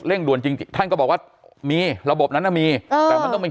เร่งด่วนจริงท่านก็บอกว่ามีระบบนั้นมีแต่มันต้องเป็น